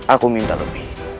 aku minta lebih